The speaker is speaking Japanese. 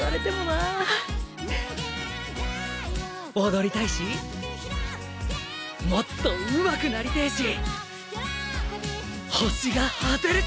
踊りたいしもっとうまくなりてぇし